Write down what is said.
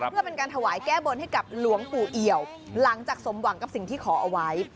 เพื่อเป็นการถวายแก้บนให้กับหลวงปู่เอี่ยวหลังจากสมหวังกับสิ่งที่ขอเอาไว้